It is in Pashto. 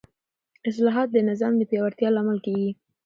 اصلاحات د نظام د پیاوړتیا لامل کېږي